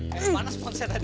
panas ponselnya tadi